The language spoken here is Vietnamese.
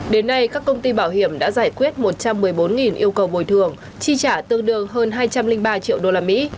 đến nay các công ty bảo hiểm đã giải quyết một trăm một mươi bốn yêu cầu bồi thường chi trả tương đương hơn hai trăm linh ba triệu đô la mỹ